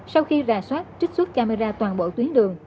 sau khi rà soát trích xuất camera toàn bộ tuyến đường